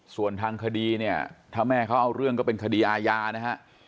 ส่วนทางคดีเนี่ยถ้าแม่เขาเอาเรื่องก็เป็นคดีอาญานะฮะ